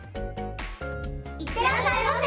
行ってらっしゃいませ。